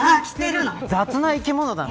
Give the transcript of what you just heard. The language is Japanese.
雑な生き物だな。